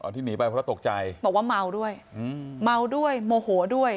ที่หนีไปเพราะตกใจบอกว่าเมาด้วยเมาด้วยโมโหด้วย